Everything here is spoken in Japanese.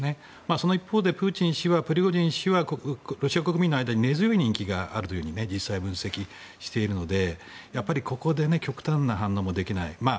その一方でプーチン氏はプリゴジン氏はロシア国民の間に根強い人気があると実際、分析しているのでここで極端な反応もできない。